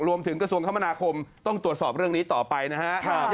รวมถึงกระทรวงคมต้องตรวจสอบเรื่องนี้ต่อไปนะฮะ